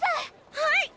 はい！